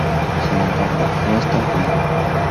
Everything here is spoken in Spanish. Sin embargo, no es tan común.